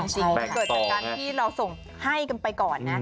ใช่เกิดจากการที่เราส่งให้กันไปก่อน